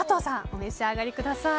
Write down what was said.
お召し上がりください。